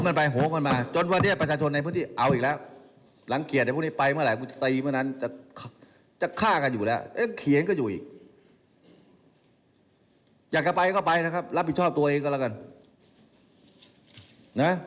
อยากจะไปก็ไปนะครับรับผิดชอบตัวเองก็แล้วกัน